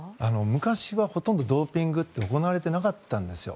昔はほとんどドーピングって行われていなかったんですよ。